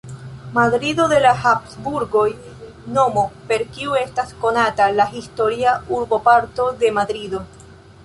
Madrido de la Habsburgoj, nomo per kiu estas konata la historia urboparto de Madrido.